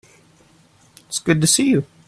It's good to see you.